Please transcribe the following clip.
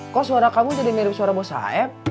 kok suara kamu jadi mirip suara bos aep